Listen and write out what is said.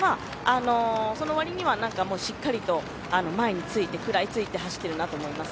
その割にはしっかりと前にくらいついて走っていると思います。